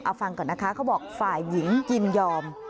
เอาฟังก่อนนะคะเขาบอกฝ่ายหญิงยินยอม